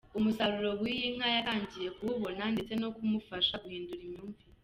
Umusaruro w’iyi nka yatangiye kuwubona ndetse no kumufasha guhindura imyumvire.